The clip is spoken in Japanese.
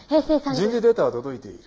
人事データは届いている。